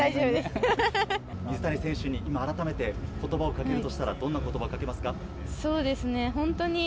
水谷選手に改めて言葉をかけるとすると、どんな言葉ですか？